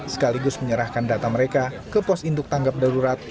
sekaligus menyerahkan data mereka ke pos induk tanggap darurat